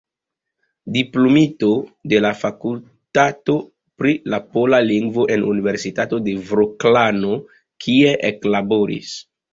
Diplomito de la fakultato pri la pola lingvo en Universitato de Vroclavo, kie eklaboris.